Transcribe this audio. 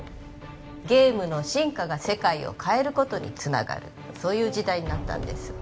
ゲームの進化が世界を変えることにつながるそういう時代になったんです